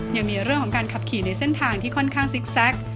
ยังมีเรื่องของการขับขี่ในเส้นทางที่ค่อนข้างซิกแซค